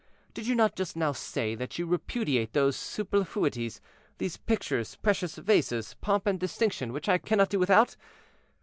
Did you not just now say that you repudiate these superfluities—these pictures, precious vases, pomp and distinction, which I cannot do without?